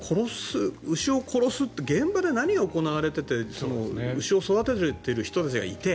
牛を殺すって現場で何が行われてて牛を育ててる人たちがいて。